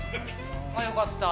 よかった。